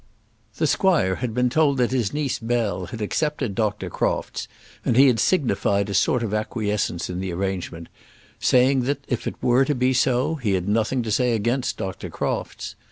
The squire had been told that his niece Bell had accepted Dr. Crofts, and he had signified a sort of acquiescence in the arrangement, saying that if it were to be so, he had nothing to say against Dr. Crofts.